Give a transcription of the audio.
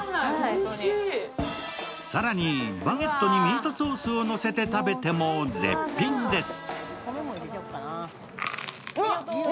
更に、バゲットにミートソースをのせて食べても絶品です。